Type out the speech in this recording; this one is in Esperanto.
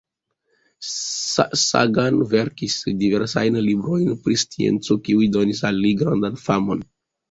Sagan verkis diversajn librojn, pri scienco, kiuj donis al li grandan famon.